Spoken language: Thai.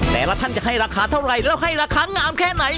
แต่ละท่านจะให้ราคาเท่าไหร่แล้วให้ราคางามแค่ไหน